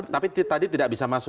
tapi tadi tidak bisa masuk